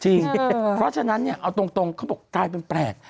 จริงเพราะฉะนั้นเอาตรงเขาบอกกลายเป็นแปลก